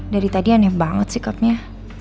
dari tadi aneh banget sikapnya